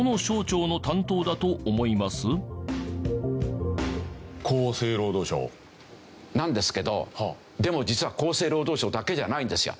なんですけどでも実は厚生労働省だけじゃないんですよ。